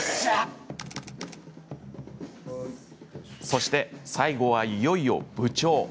そして、最後はいよいよ部長。